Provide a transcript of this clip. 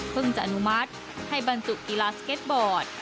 จะอนุมัติให้บรรจุกีฬาสเก็ตบอร์ด